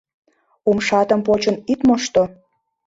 Умшатым почын ит мошто!